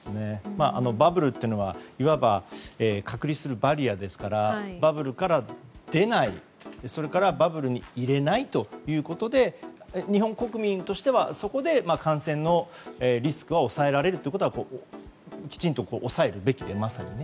バブルというのがいわば隔離するバリアですからバブルから出ない、それからバブルに入れないということで日本国民としてはそこで感染リスクは抑えられるということはきちんと抑えるべきですよね。